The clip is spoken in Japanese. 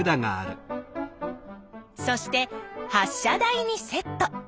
そして発しゃ台にセット。